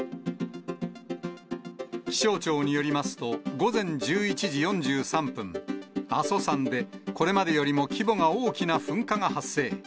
気象庁によりますと、午前１１時４３分、阿蘇山でこれまでよりも規模が大きな噴火が発生。